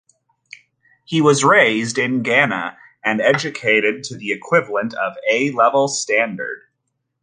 He was raised in Ghana and educated to the equivalent of A-level standard.